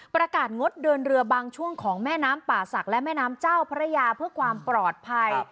ประกาศงดเดินเรือบางช่วงของแม่น้ำป่าศักดิ์และแม่น้ำเจ้าพระยาเพื่อความปลอดภัย